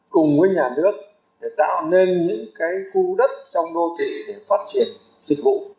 cùng với nhà nước để tạo nên những khu đất trong đô kỵ để phát triển dịch vụ